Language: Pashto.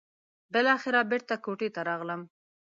بالاخره بېرته کوټې ته راغلم.